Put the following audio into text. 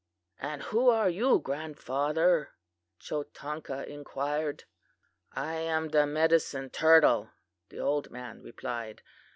"'And who are you, grandfather?' Chotanka inquired. "'I am the medicine turtle,' the old man replied.